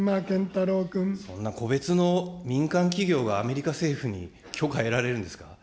そんな個別の、民間企業がアメリカ政府に許可得られるんですか。